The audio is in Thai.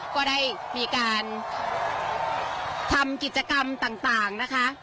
ก็ได้มีการทำกิจกรรมต่างนะคะ